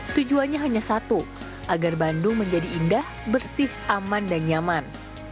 tujuannya hanya satu agar bandung menjadi indah bersih aman dan nyaman